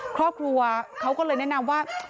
ครอบครัวเขาก็เลยแนะนำว่า